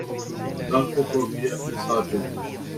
Dankon pro via mesaĝo.